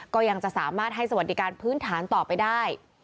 ก็ยังจะสามารถให้สวัสดิการพื้นฐานต่อไปได้